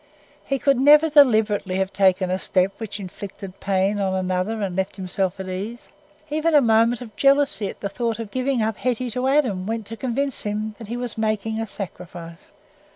He could never deliberately have taken a step which inflicted pain on another and left himself at ease. Even a movement of jealousy at the thought of giving up Hetty to Adam went to convince him that he was making a sacrifice.